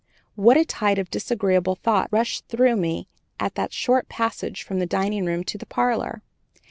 What a tide of disagreeable thoughts rushed through me in that short passage from the dining room to the parlor.